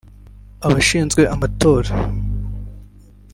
abashinzwe amatora